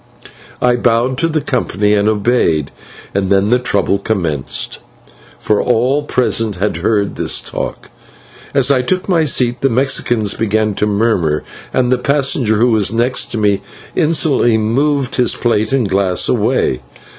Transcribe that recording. I bowed to the company and obeyed, and then the trouble commenced, for all present had heard this talk. As I took my seat the Mexicans began to murmur, and the passenger who was next to me insolently moved his plate and glass away.